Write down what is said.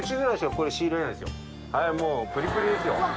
はいもうプリプリですよ。